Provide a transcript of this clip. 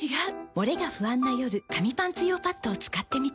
モレが不安な夜紙パンツ用パッドを使ってみた。